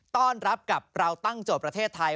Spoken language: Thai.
ต้อนรับกับเราตั้งโจทย์ประเทศไทย